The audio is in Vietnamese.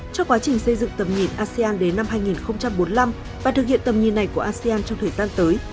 cho quá trình xây dựng tầm nhìn asean đến năm hai nghìn bốn mươi năm và thực hiện tầm nhìn này của asean trong thời gian tới